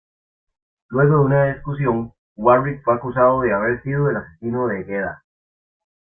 Luego de una discusión, Warrick fue acusado de haber sido el asesino de Gedda.